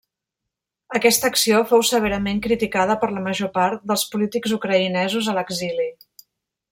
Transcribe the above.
Aquesta acció fou severament criticada per la major part dels polítics ucraïnesos a l'exili.